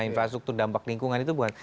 infrastruktur dampak lingkungan itu bukan